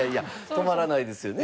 止まらないですよね。